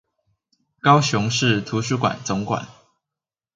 高雄市圖書館總館